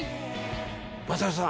雅代さん。